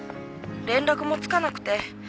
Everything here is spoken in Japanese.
連絡もつかなくて